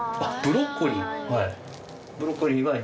あっブロッコリー。